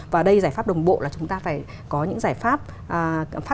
và đây giải pháp đồng bộ là chúng ta phải có những giải pháp phát